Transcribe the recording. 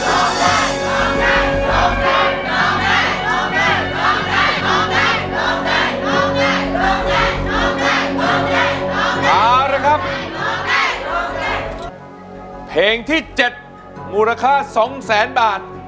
เอาละครับเพลงที่๗มูลค่า๒แสนบาท